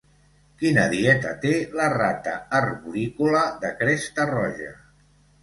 Quina dieta té la rata arborícola de cresta roja?